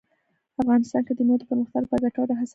افغانستان کې د مېوو د پرمختګ لپاره ګټورې هڅې روانې دي.